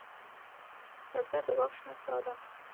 بزګر د باغ شنه سا ده